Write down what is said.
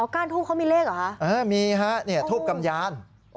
ก้านทูบเขามีเลขเหรอคะมีฮะทูบกำยาน